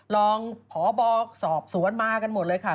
รองพบสอบสวนมากันหมดเลยค่ะ